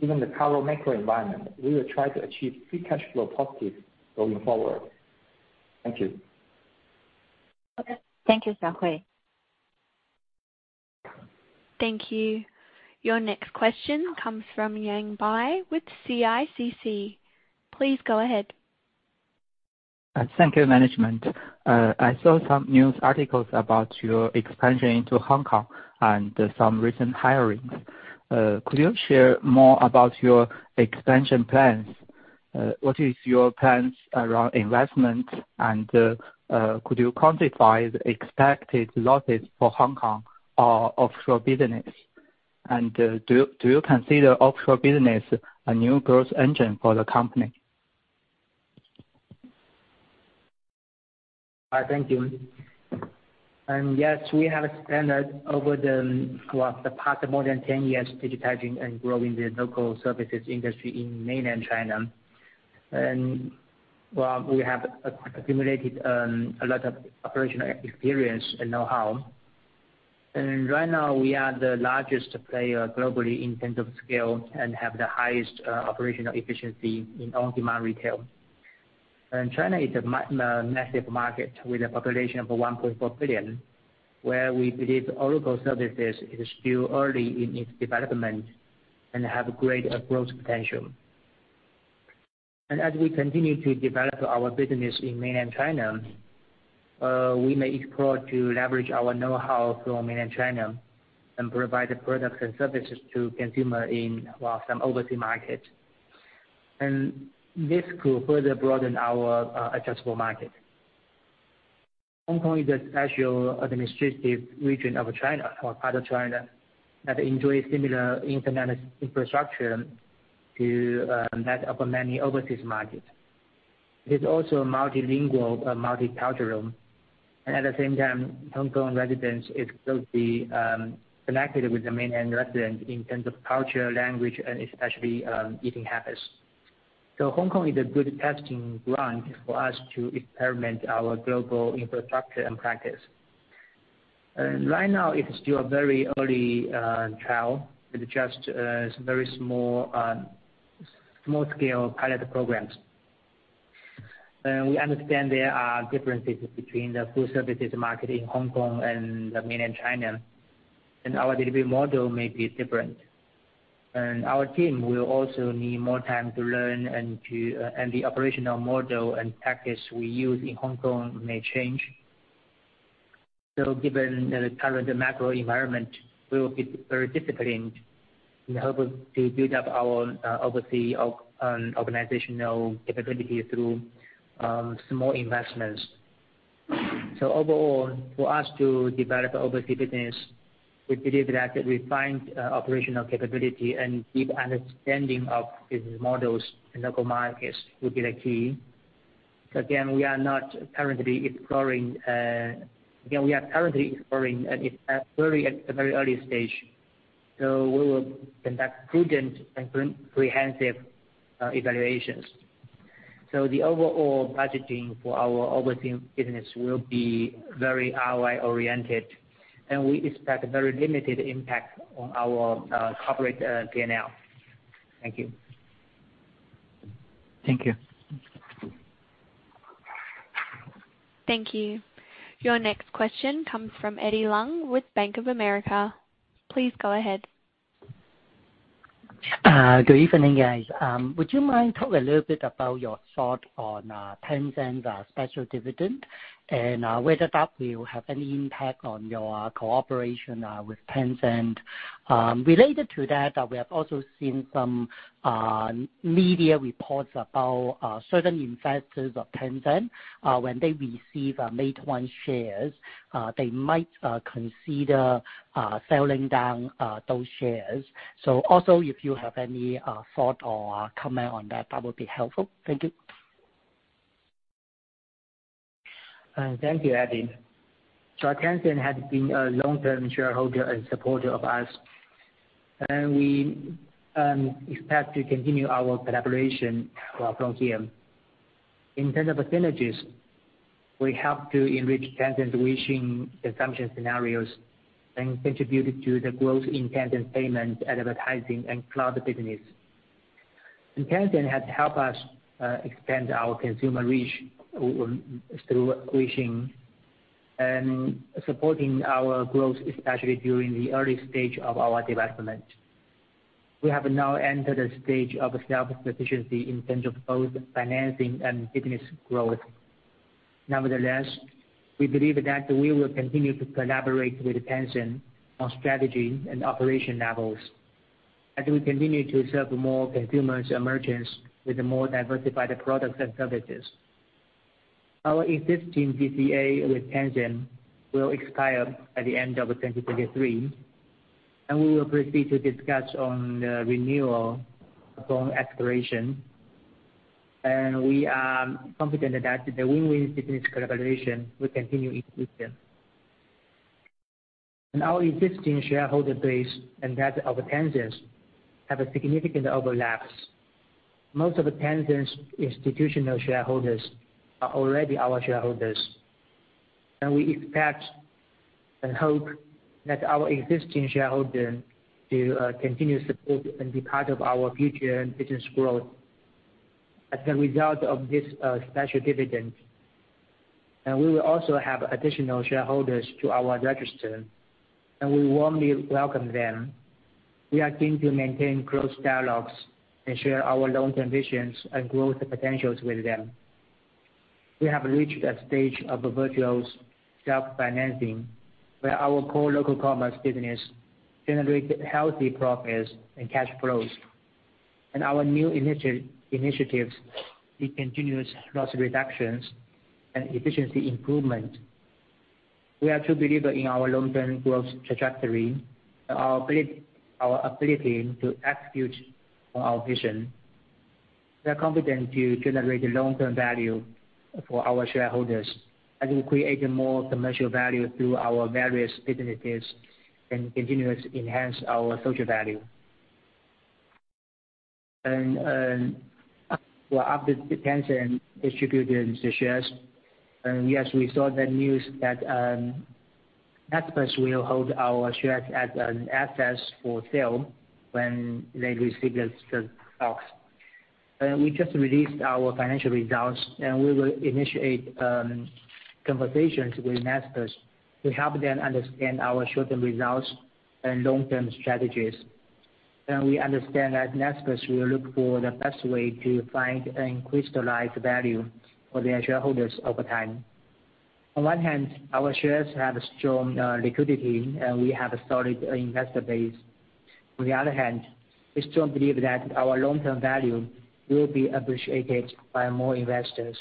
Given the current macro environment, we will try to achieve free cash flow positive going forward. Thank you. Okay, thank you, Shaohui. Thank you. Your next question comes from Yang Bai with CICC. Please go ahead. Thank you management. I saw some news articles about your expansion into Hong Kong and some recent hirings. Could you share more about your expansion plans? What is your plans around investment? Could you quantify the expected losses for Hong Kong or offshore business? Do you consider offshore business a new growth engine for the company? Thank you. Yes, we have spent over the past more than 10 years digitizing and growing the local services industry in mainland China. While we have accumulated a lot of operational experience and know-how. Right now we are the largest player globally in terms of scale and have the highest operational efficiency in on-demand retail. China is a massive market with a population of 1.4 billion, where we believe on-demand services is still early in its development and have great growth potential. As we continue to develop our business in mainland China, we may explore to leverage our know-how from mainland China and provide the products and services to consumer in some overseas markets. This could further broaden our addressable market. Hong Kong is a special administrative region of China or part of China that enjoys similar internet infrastructure to that of many overseas markets. It's also multilingual and multicultural. At the same time, Hong Kong residents is closely connected with the mainland residents in terms of culture, language and especially eating habits. Hong Kong is a good testing ground for us to experiment our global infrastructure and practice. Right now it is still a very early trial with just very small small scale pilot programs. We understand there are differences between the food services market in Hong Kong and the mainland China, and our delivery model may be different. Our team will also need more time to learn and the operational model and practice we use in Hong Kong may change. Given the current macro environment, we will be very disciplined in order to build up our overseas organizational capability through small investments. Overall, for us to develop overseas business, we believe that refined operational capability and deep understanding of business models and local markets will be the key. Again, we are currently exploring at a very early stage, so we will conduct prudent and comprehensive evaluations. The overall budgeting for our overseas business will be very ROI oriented, and we expect very limited impact on our corporate PNL. Thank you. Thank you. Thank you. Your next question comes from Eddie Leung with Bank of America. Please go ahead. Good evening guys. Would you mind talking a little bit about your thought on Tencent's special dividend and whether that will have any impact on your cooperation with Tencent? Related to that, we have also seen some media reports about certain investors of Tencent, when they receive Meituan shares, they might consider selling down those shares. Also if you have any thought or comment on that would be helpful. Thank you. Thank you, Eddie. Tencent has been a long-term shareholder and supporter of us, and we expect to continue our collaboration from here. In terms of synergies, we help to enrich Tencent's Weixin consumption scenarios and contribute to the growth in Tencent payment, advertising and cloud business. Tencent has helped us expand our consumer reach through Weixin and supporting our growth, especially during the early stage of our development. We have now entered a stage of self-sufficiency in terms of both financing and business growth. Nevertheless, we believe that we will continue to collaborate with Tencent on strategy and operation levels as we continue to serve more consumers and merchants with more diversified products and services. Our existing DCA with Tencent will expire at the end of 2023, and we will proceed to discuss on the renewal upon expiration. We are confident that the win-win business collaboration will continue with them. Our existing shareholder base and that of Tencent have a significant overlaps. Most of the Tencent's institutional shareholders are already our shareholders. We expect and hope that our existing shareholder to continue support and be part of our future and business growth as a result of this special dividend. We will also have additional shareholders to our register, and we warmly welcome them. We are keen to maintain close dialogues and share our long-term visions and growth potentials with them. We have reached a stage of a virtual self-financing where our core local commerce business generate healthy profits and cash flows. Our new initiatives be continuous loss reductions and efficiency improvement. We are to believe in our long-term growth trajectory and our ability to execute on our vision. We are confident to generate long-term value for our shareholders as we create more commercial value through our various businesses and continuous enhance our social value. After Tencent distributed the shares, we saw the news that Naspers will hold our shares as an assets for sale when they receive the stocks. We just released our financial results, we will initiate conversations with Naspers to help them understand our short-term results and long-term strategies. We understand that Naspers will look for the best way to find and crystallize value for their shareholders over time. On one hand, our shares have strong liquidity, and we have a solid investor base. On the other hand, we strongly believe that our long-term value will be appreciated by more investors.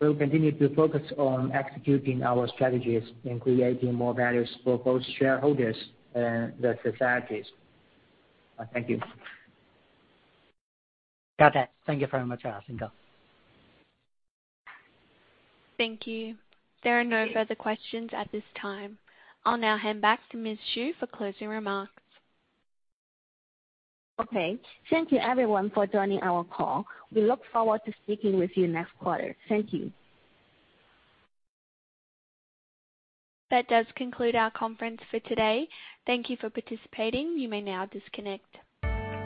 We'll continue to focus on executing our strategies and creating more values for both shareholders and the societies. Thank you. Got it. Thank you very much, Xing Ge. Thank you. There are no further questions at this time. I'll now hand back to Ms. Xu for closing remarks. Okay. Thank you everyone for joining our call. We look forward to speaking with you next quarter. Thank you. That does conclude our conference for today. Thank you for participating. You may now disconnect.